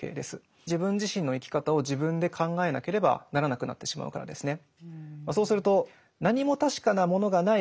自分自身の生き方を自分で考えなければならなくなってしまうからですね。